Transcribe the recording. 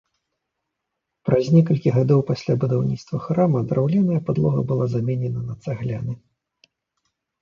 Праз некалькі гадоў пасля будаўніцтва храма драўляная падлога была заменена на цагляны.